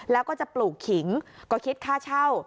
แล้วก็จะปลูกขิงก็คิดค่าเช่า